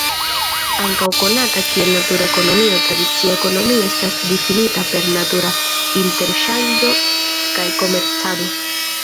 Ankaŭ konata kiel "natura ekonomio", tradicia ekonomio estas difinita per natura interŝanĝo kaj komercado.